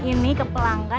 ini ke pelanggan